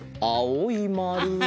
あおいまる！